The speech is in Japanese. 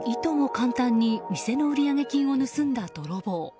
簡単に店の売上金を盗んだ泥棒。